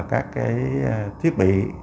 các cái thiết bị